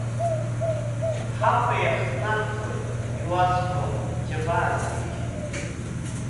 Ҳафа иахҭнаҳҵоит, иуасҳәо, ҳџьабаа зегь.